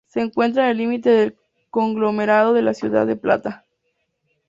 Se encuentra en el límite del conglomerado de la ciudad de La Plata.